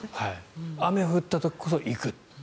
雨降った時こそ行く。